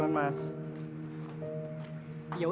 di rumah anak kamu